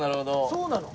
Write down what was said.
そうなの。